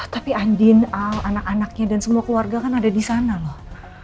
tapi andin anak anaknya dan semua keluarga kan ada di sana loh